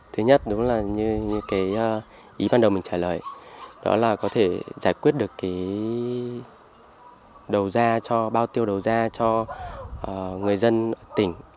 thứ nhất đúng là như cái ý ban đầu mình trả lời đó là có thể giải quyết được cái đầu ra cho bao tiêu đầu ra cho người dân tỉnh